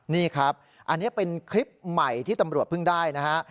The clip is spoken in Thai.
นี่ครับอันนี้เป็นคลิปใหม่ที่ตำรวจเพิ่งได้นะฮะ